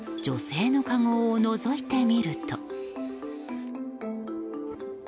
女性のかごをのぞいてみると。